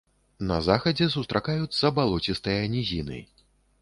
На захадзе сустракаюцца балоцістыя нізіны.